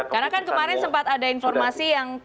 karena kan kemarin sempat ada informasi yang